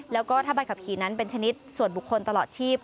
แล้วก็ถ้าใบขับขี่นั้นเป็นชนิดส่วนบุคคลตลอดชีพ